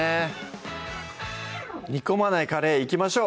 煮込まないカレーいきましょう